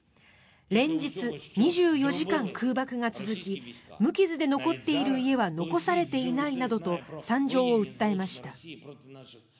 連日、２４時間空爆が続き無傷で残っている家は残されていないなどと惨状を訴えました。